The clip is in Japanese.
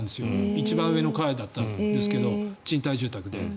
一番上の階だったんですけど賃貸住宅で。